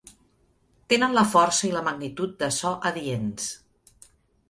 Tenen la força i la magnitud de so adients.